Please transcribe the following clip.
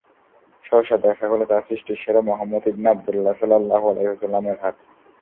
সহসা দেখা গেল তা সৃষ্টির সেরা মুহাম্মাদ ইবনে আব্দুল্লাহ সাল্লাল্লাহু আলাইহি ওয়াসাল্লামের হাত।